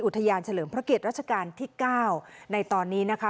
อุทยานเฉลิมภะเกียจรัชกาลที่เก้าในตอนนี้นะคะ